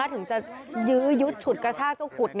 ถึงจะยืดชุดกระชากับเจ้ากุฎ